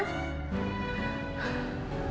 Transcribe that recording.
apa sih mir